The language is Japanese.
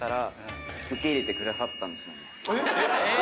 ・えっ？